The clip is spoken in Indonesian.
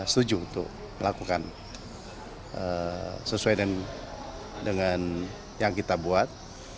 setuju untuk melakukan sesuai dengan yang kita buat